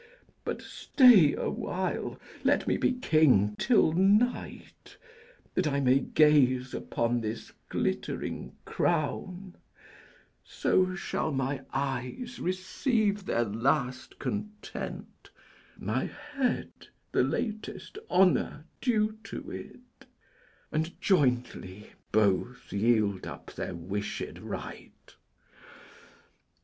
But stay a while: let me be king till night, That I may gaze upon this glittering crown; So shall my eyes receive their last content, My head, the latest honour due to it, And jointly both yield up their wished right.